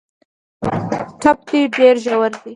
ټپ دي ډېر ژور دی .